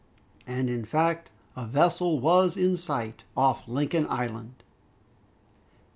And in fact a vessel was in sight, off Lincoln Island!